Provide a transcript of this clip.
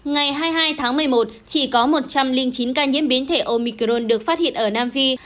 ngày hai mươi hai tháng một mươi một chỉ có một trăm linh chín ca nhiễm biến thể omicron được phát hiện ở nam phi